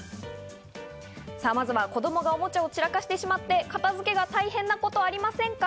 まずは子供がおもちゃを散らかしてしまって片付けが大変なことありませんか？